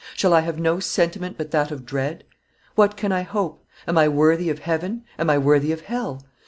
Shall I have no sentiment but that of dread? What can I hope? Am I worthy of heaven? Am I worthy of hell?